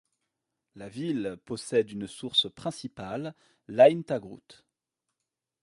La ville possède une source principale, l'Aïn Taghrout.